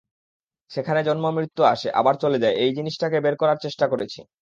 সেখানে জন্ম-মৃত্যু আসে, আবার চলে যায়—এই জিনিসটাকে বের করার চেষ্টা করেছি।